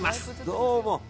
どうも。